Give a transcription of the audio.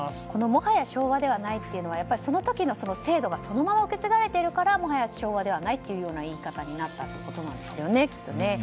もはや昭和ではないというのはその時の制度がそのまま受け継がれているから昭和ではないという言い方になったということですよねきっと。